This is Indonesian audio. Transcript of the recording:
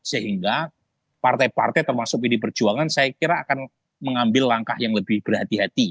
sehingga partai partai termasuk pdi perjuangan saya kira akan mengambil langkah yang lebih berhati hati